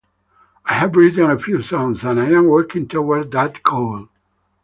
I have written a few songs, and I am working towards that goal.